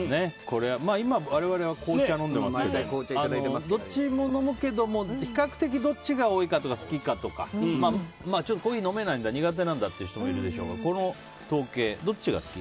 今、我々は紅茶飲んでますけどどっちも飲むけども比較的どっちが多いかとか好きかとかコーヒー飲めない、苦手なんだって人もいると思いますがこの統計、どっちが好き？